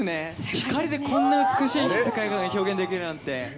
光でこんなに美しい世界が表現できるなんて。